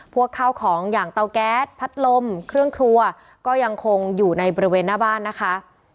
พวกข้าวของอย่างเตาแก๊สพัดลมเครื่องครัวก็ยังคงอยู่ในบริเวณหน้าบ้านนะคะ